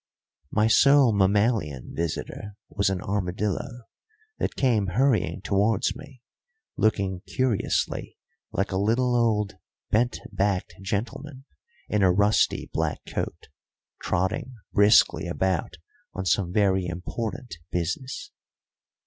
My sole mammalian visitor was an armadillo, that came hurrying towards me, looking curiously like a little old bent backed gentleman in a rusty black coat trotting briskly about on some very important business.